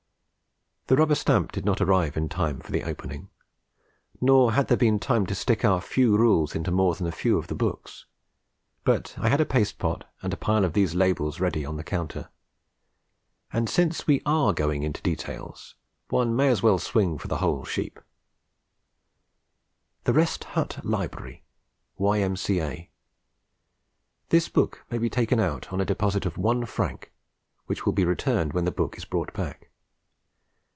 The rubber stamp did not arrive in time for the opening; nor had there been time to stick our few rules into more than a few of the books. But I had a paste pot and a pile of these labels ready on the counter. And since we are going into details, one may as well swing for the whole sheep: THE REST HUT LIBRARY (=Y.M.C.A.=) _This book may be taken out on a deposit of =1 franc.= which will be returned when the book is brought back.